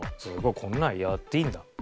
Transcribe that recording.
こんなんやっていいんだ。